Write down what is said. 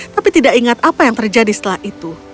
tapi tidak ingat apa yang terjadi setelah itu